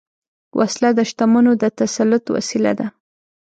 وسله د شتمنو د تسلط وسیله ده